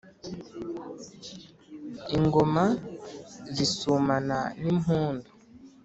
Ingoma zisumana n’impundu,